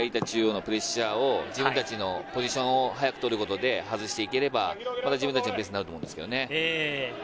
中央のプレッシャーを自分たちのポジションを早く取ることで外していければ自分たちのペースになると思うんですけどね。